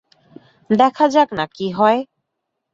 দেখা যাক না কী হয়।